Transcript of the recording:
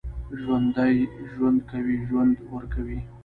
ژوندي ژوند کوي، ژوند ورکوي